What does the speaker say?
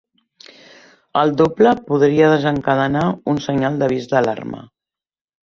El doble podria desencadenar un senyal d'avís d'alarma.